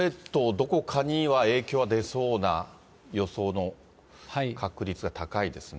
どこかには影響は出そうな予想の確率が高いです